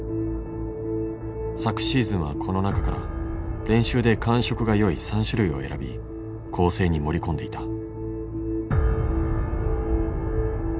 昨シーズンはこの中から練習で感触がよい３種類を選び構成に盛り込んでいた。